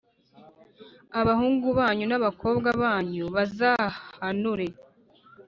Abahungu banyu n’abakobwa banyu bazahanure,